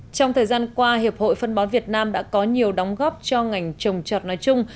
trong thời gian qua hiệp hội phân bón việt nam đã có nhiều đóng góp cho ngành trồng trọt nói chung